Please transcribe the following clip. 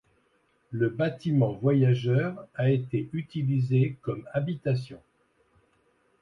Le bâtiment voyageurs a été utilisé comme habitation.